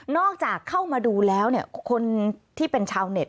จากเข้ามาดูแล้วเนี่ยคนที่เป็นชาวเน็ต